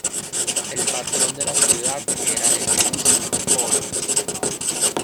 El patrón de la ciudad era el dios Horus.